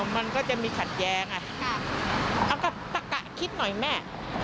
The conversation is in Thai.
มันก็จะมีขัดแย้งเอากะตะกะคิดหน่อยแม่